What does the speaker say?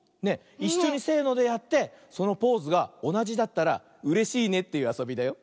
いっしょにせのでやってそのポーズがおなじだったらうれしいねというあそびだよ。